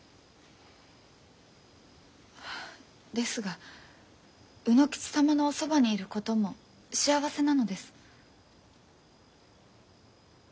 ですが卯之吉様のおそばにいることも幸せなのです。